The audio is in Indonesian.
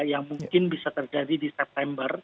yang mungkin bisa terjadi di september